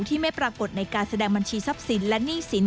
ที่ไม่ปรากฏในการแสดงบัญชีทรัพย์สินและหนี้สิน